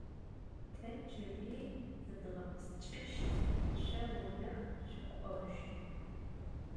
Te cıri zıdğepsç'ışt, şso vunem şsuk'oj.